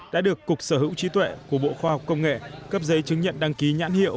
đã được cục sở hữu trí tuệ của bộ khoa học công nghệ cấp giấy chứng nhận đăng ký nhãn hiệu